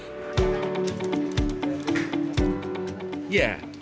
keputusan negara polri indonesia khususnya divisi humas